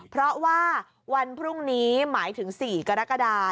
เพราะว่าวันพรุ่งนี้หมายถึง๔กรกฎา